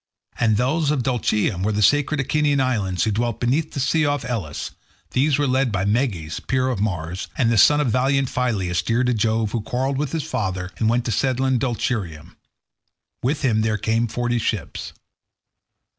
And those of Dulichium with the sacred Echinean islands, who dwelt beyond the sea off Elis; these were led by Meges, peer of Mars, and the son of valiant Phyleus, dear to Jove, who quarrelled with his father, and went to settle in Dulichium. With him there came forty ships.